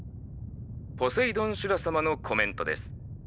ポセイドン・シュラさまのコメントです。